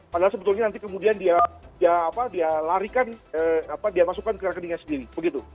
padahal sebetulnya nanti kemudian dia larikan dia masukkan ke rekeningnya sendiri begitu